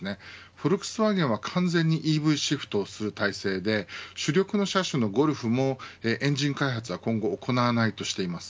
フォルクスワーゲンは完全にＥＶシフトする体制で主力の車種のゴルフもエンジン開発は今後行わないとしています。